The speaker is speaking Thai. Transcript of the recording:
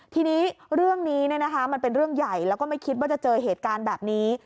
ทีนี้เรื่องนี้มันเป็นเรื่องใหญ่แล้วก็ไม่คิดว่าจะเจอเหตุการณ์แบบนี้